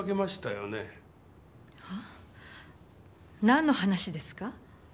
なんの話ですか？